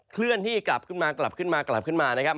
เคลื่อนที่กลับขึ้นมากลับขึ้นมากลับขึ้นมานะครับ